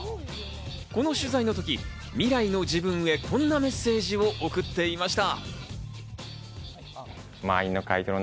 この取材のとき、未来の自分へこんなメッセージを送っていました。